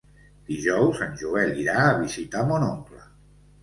Dijous en Joel irà a visitar mon oncle.